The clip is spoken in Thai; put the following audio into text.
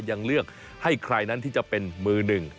ยังเลือกให้ใครนั้นที่จะเป็นมือหนึ่ง